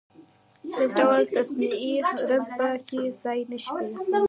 هېڅ ډول تصنعي رنګ په کې ځای نشي پيدا کولای.